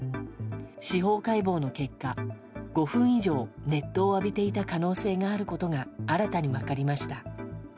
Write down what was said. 司法解剖の結果５分以上、熱湯を浴びていた可能性があることが新たに分かりました。